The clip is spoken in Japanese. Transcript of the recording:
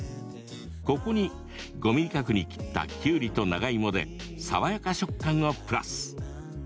ここに５ｍｍ角に切ったきゅうりと長芋で爽やか食感をプラス。